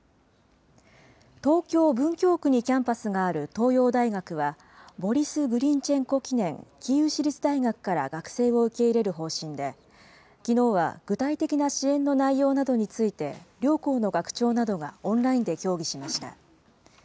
東京・文京区にキャンパスがある東洋大学は、ボリス・グリンチェンコ記念キーウ市立大学から学生を受け入れる方針で、きのうは、具体的な支援の内容などについて、両校の学長などがオンラインで協議しました。